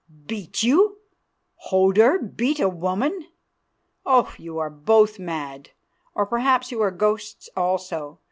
"Beat you! Hodur beat a woman! Oh! you are both mad. Or perhaps you are ghosts also.